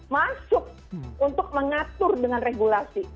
masuk untuk mengatur dengan regulasi